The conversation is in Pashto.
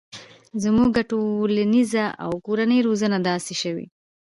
زموږ ټولنیزه او کورنۍ روزنه داسې شوي